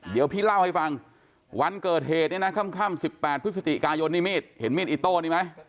เดี๋ยวพี่เล่าให้ฟังวันเกิดเหตุเนี่ยนะค่ำ๑๘พฤศจิกายนนี่มีดเห็นมีดอิโต้นี่ไหม